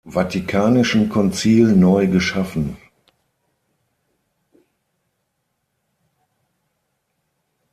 Vatikanischen Konzil neu geschaffen.